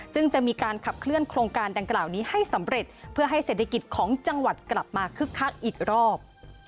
ซึ่งจะมีการขับเคลื่อนโครงการดังกล่าวนี้ให้สำเร็จเพื่อให้เศรษฐกิจของจังหวัดกลับมาคึกคักอีกรอบ